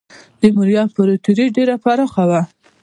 د موریا امپراتوري ډیره پراخه وه.